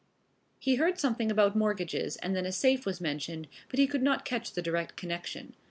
He heard something about mortgages and then a safe was mentioned, but he could not catch the direct connection.